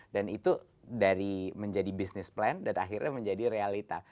dan itu dari menjadi business plan dan akhirnya menjadi realita